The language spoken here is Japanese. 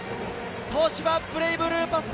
東芝ブレイブルーパス